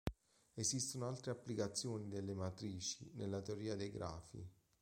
Esistono altre applicazioni delle matrici nella teoria dei grafi.